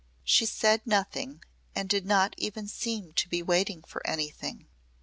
She said nothing and did not even seem to be waiting for anything.